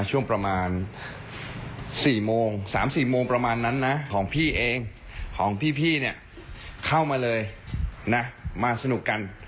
ช่วงประมาณ๔โมง๓๔โมงประมาณนั้นนะของพี่เองของพี่เนี่ยเข้ามาเลยนะมาสนุกกัน